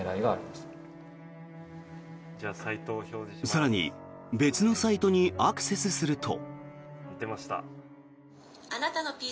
更に、別のサイトにアクセスすると。